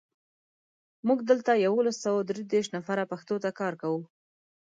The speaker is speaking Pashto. موږ دلته یولس سوه درودېرش نفره پښتو ته کار کوو.